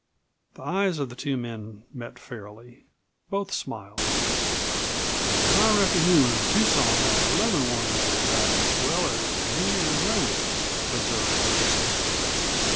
The eyes of the two men met fairly. Both smiled. "Then I reckon you an' Tucson are lovin' one another about as well as me an' Leviatt," observed Ferguson.